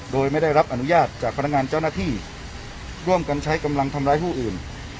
โดยไม่ได้รับอนุญาตจากพนักงานเจ้าหน้าที่ร่วมกันใช้กำลังทำร้ายผู้อื่น